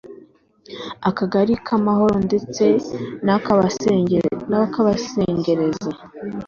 Akagali k’Amahoro ndetse n’aka Kabasengerezi